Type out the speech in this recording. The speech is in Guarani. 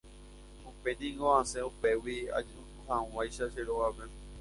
Upéingo asẽ upégui ajuhag̃uáicha che rógape.